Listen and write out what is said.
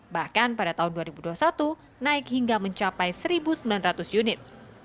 bahkan pada tahun dua ribu dua puluh satu naik hingga mencapai satu sembilan ratus unit